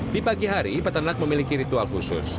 di pagi hari peternak memiliki ritual khusus